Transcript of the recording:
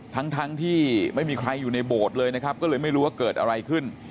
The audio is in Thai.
ทั้งทั้งที่ไม่มีใครอยู่ในโบสถ์เลยนะครับก็เลยไม่รู้ว่าเกิดอะไรขึ้น